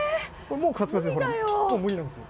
もうカチカチもう無理なんですよ。